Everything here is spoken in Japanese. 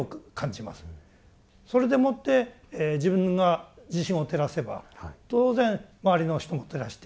それでもって自分が自身を照らせば当然周りの人も照らしていく。